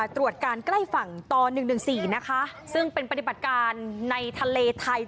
ตรวจการใกล้ฝั่งตอนหนึ่งหนึ่งสี่นะคะซึ่งเป็นปฏิบัติการในทะเลไทย